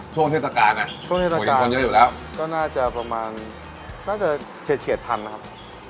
ช่วงเทศกาลอ่ะช่วงนี้รายการกันเยอะอยู่แล้วก็น่าจะประมาณน่าจะเฉียดพันนะครับ